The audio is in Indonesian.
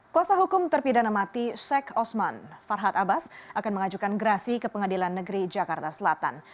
kuasa hukum terpidana mati sheikh osman farhad abbas akan mengajukan gerasi ke pengadilan negeri jakarta selatan